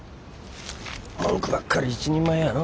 文句ばっかり一人前やの。